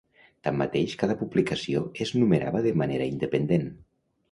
Tanmateix, cada publicació es numerava de manera independent.